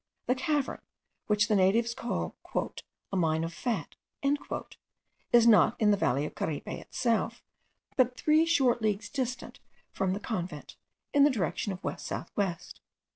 The cavern, which the natives call "a mine of fat" is not in the valley of Caripe itself, but three short leagues distant from the convent, in the direction of west south west.